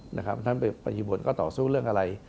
ท่านปิจบุตรก็ต่อสู้เรื่องอะไร